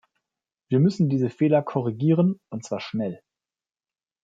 Wir müssen diese Fehler korrigieren und zwar schnell.